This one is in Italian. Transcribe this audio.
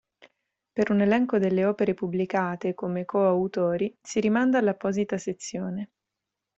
Per un elenco delle opere pubblicate come coautori si rimanda all'apposita sezione.